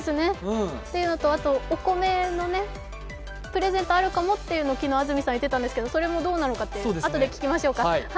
というのとあとお米のプレゼントあるかもって昨日、安住さん言ってたんですけどそれもどうなのかというのは、あとで聞きましょうか。